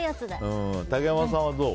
竹山さんはどう？